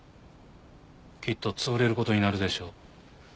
きっと潰れる事になるでしょう。